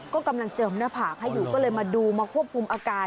ก็กำลังเจิมหน้าผากให้อยู่ก็เลยมาดูมาควบคุมอาการ